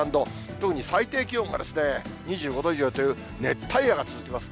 特に最低気温が２５度以上という、熱帯夜が続きます。